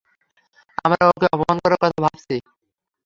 আমরা ওকে অপমান করার কথা ভাবছি।